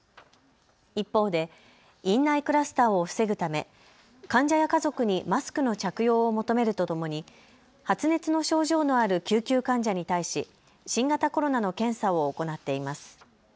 一方で院内クラスターを防ぐため患者や家族にマスクの着用を求めるとともに発熱の症状のある救急患者に対し新型コロナの検査を行っています。